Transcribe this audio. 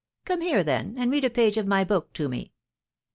" Come here, then, and read a page of my book to me."